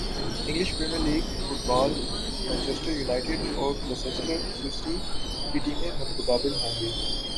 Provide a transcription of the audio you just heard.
English premier league football Manchester United اور Leicester City کی ٹیمیں مدمقابل ہونگی